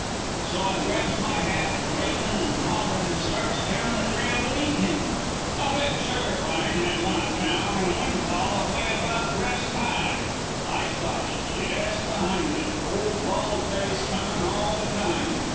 "So I grabs my hat, and wavin' and hollerin' starts down the trail to meet him. A big sugar pine had gone down in a windfall and lay about breast high. I stops jest behind it, old bald face comin' all the time.